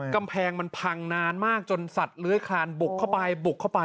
กำแพงมันพังนานมากจนสัตว์เลื้อยคลานบุกเข้าไปบุกเข้าไป